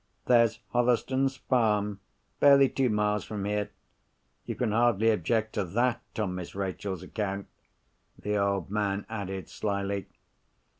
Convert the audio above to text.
There's Hotherstone's Farm, barely two miles from here. You can hardly object to that on Miss Rachel's account," the old man added slily.